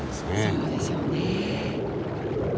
そうでしょうね。